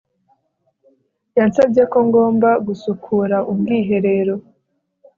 yansabye ko ngomba gusukura ubwiherero